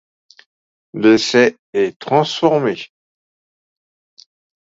L'essai est transformé.